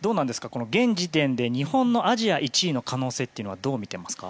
現時点で日本のアジア１位の可能性というのはどう見ていますか？